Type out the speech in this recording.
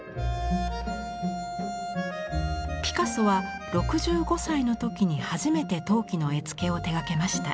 ピカソは６５歳の時に初めて陶器の絵付けを手がけました。